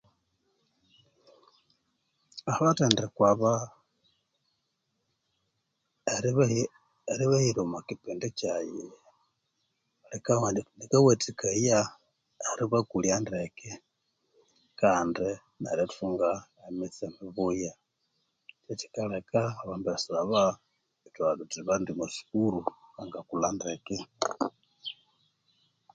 Abathendekwa aba, eribahira omukipindi kyaghe lekawathikaya eribakulya ndeeke kandi nerithunga emitse mibuya kyekikaleka abambesa aba ithwabugha thuthi baghende omwasukulhu